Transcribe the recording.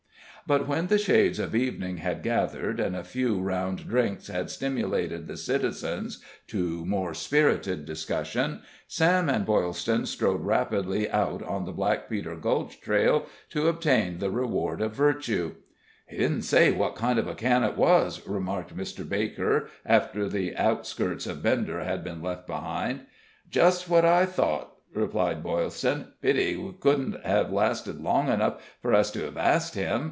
But when the shades of evening had gathered, and a few round drinks had stimulated the citizens to more spirited discussion, Sam and Boylston strode rapidly out on the Black Peter Gulch trail, to obtain the reward of virtue. "He didn't say what kind of a can it was," remarked Mr. Baker, after the outskirts of Bender had been left behind. "Just what I thought," replied Boylston; "pity he couldn't hev lasted long enough for us to hev asked him.